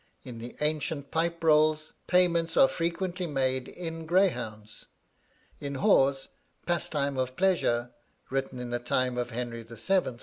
In the ancient pipe rolls, payments are frequently made in greyhounds. In Hawes' "Pastime of Pleasure," (written in the time of Henry VII.)